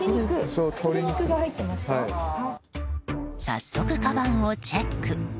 早速かばんをチェック。